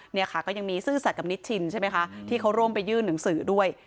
เนี่ยค่ะก็ยังมีซื่อสัตว์กับนิดชินใช่ไหมคะที่เขาร่วมไปยื่นหนังสือด้วย